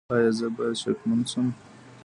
ایا زه باید شکمن شم؟